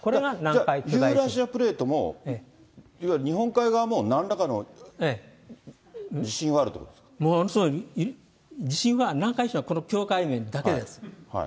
じゃあ、ユーラシアプレートもいわゆる日本海側も、なんらかの地震はある地震は、南海地震はこの境界面だけです。